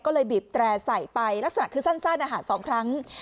ก็เลยบีบแตร่ใส่ไปลักษณะคือสั้นสั้นอาหารสองครั้ง